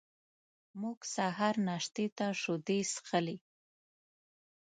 موږ سهار ناشتې ته شیدې څښلې.